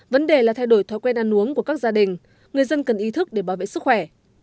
vấn đề là thay đổi thói quen ăn uống của các gia đình người dân cần ý thức để bảo vệ sức khỏe